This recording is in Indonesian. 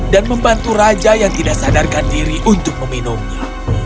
dan membantu raja yang tidak sadarkan diri untuk meminumnya